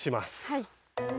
はい。